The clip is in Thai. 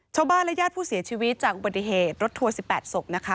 ชาวบ้านและญาติผู้เสียชีวิตจากอุบัติเหตุรถทัวร์๑๘ศพนะคะ